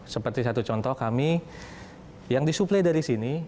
seperti satu contoh kami yang disuplai dari sini